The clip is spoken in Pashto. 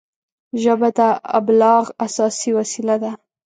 ژبه د ابلاغ اساسي وسیله ده